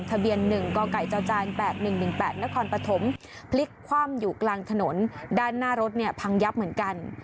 ทะเบียน๑กไก่จจ๘๑๑๘นครปฐมพลิกคว่ำอยู่กลางถนนด้านหน้ารถเนี่ยพังยับเหมือนกัน